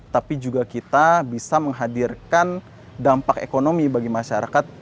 tapi juga kita bisa menghadirkan dampak ekonomi bagi masyarakat